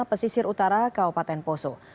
pesisir utara kaupaten poso